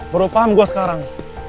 baru paham gue sekarang